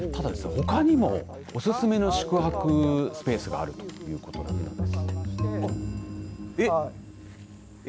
ほかにもおすすめの宿泊スペースがあるということなんです。